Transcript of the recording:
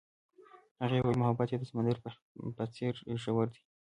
هغې وویل محبت یې د سمندر په څېر ژور دی.